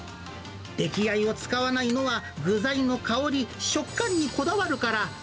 出来合いを使わないのは、具材の香り、食感にこだわるから。